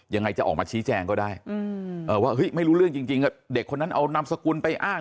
ยังไงจะออกมาชี้แจงก็ได้ว่าไม่รู้เรื่องจริงเด็กคนนั้นเอานามสกุลไปอ้าง